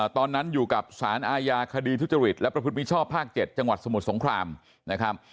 ตอนนั้นอยู่กับสารอาญาคดีทุจริตและประพฤติมิชชอบภาค๗จังหวัดสมุทรสงครามนะครับ